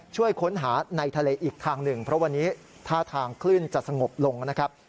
ช่วยค้นหาในทะเลอีกทางหนึ่งเพราะวันนี้ท่าทางคลื่นจะสงบลงนะครับ